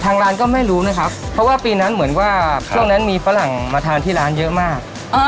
ทางร้านก็ไม่รู้นะครับเพราะว่าปีนั้นเหมือนว่าช่วงนั้นมีฝรั่งมาทานที่ร้านเยอะมาก